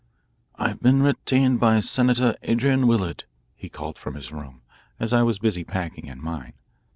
"I've been retained by Senator Adrian Willard," he called from his room, as I was busy packing in mine.